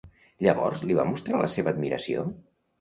Llavors, li va mostrar la seva admiració?